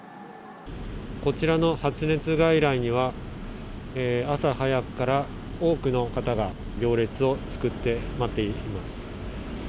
こちらの発熱外来には朝早くから多くの方が行列を作って待っています。